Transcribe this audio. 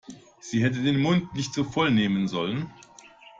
Sie hätte den Mund nicht so voll nehmen sollen.